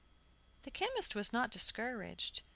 The chemist was not discouraged.